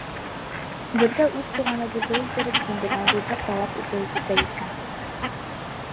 Беҙгә, үҙ туғандарыбыҙҙы үлтереп, диңгеҙҙән ризыҡ талап итеүебеҙ ҙә еткән.